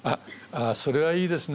それはいいですね。